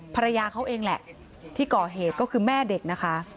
ภรรยาเขาเองแหละที่ก่อเหตุก็คือแม่เด็กนะคะ